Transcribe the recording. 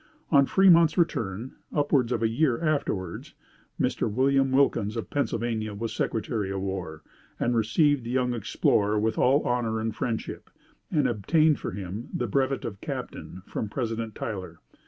On Fremont's return, upwards of a year afterwards, Mr. William Wilkins, of Pennsylvania, was Secretary of War, and received the young explorer with all honor and friendship, and obtained for him the brevet of captain from President Tyler.